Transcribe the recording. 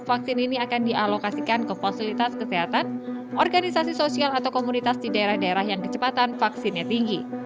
vaksin ini akan dialokasikan ke fasilitas kesehatan organisasi sosial atau komunitas di daerah daerah yang kecepatan vaksinnya tinggi